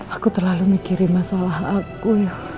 aku terlalu mikirin masalah aku ya